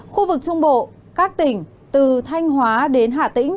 khu vực trung bộ các tỉnh từ thanh hóa đến hà tĩnh